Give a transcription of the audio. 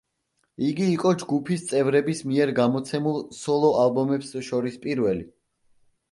იგი იყო ჯგუფის წევრების მიერ გამოცემულ სოლო-ალბომებს შორის პირველი.